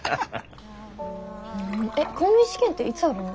えっ公務員試験っていつあるの？